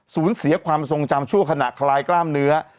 สูญเสียความทรงจำชั่วขณะคลายกล้ามเนื้อ